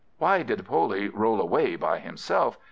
Why did Poley roll away by himself?